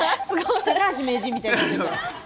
高橋名人みたいになってるから。